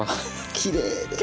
きれいで。